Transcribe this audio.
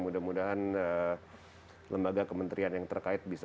mudah mudahan lembaga kementerian yang terkait bisa